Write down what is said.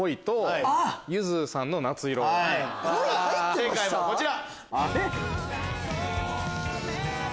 正解はこちら。